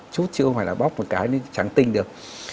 chứ không phải là bóc một cái nên chẳng tin được